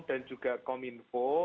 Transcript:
dan juga kominfo